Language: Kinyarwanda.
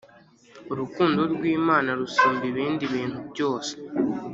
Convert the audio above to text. Urukundo rwImana rusumba ibindi bintu byose